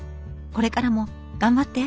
これからも頑張って！